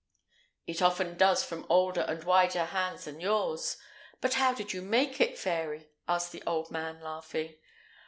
"It often does from older and wiser hands than yours; but how did you make it, fairy?" asked the old man, laughing.